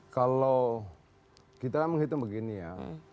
kalau kita menghitung begini ya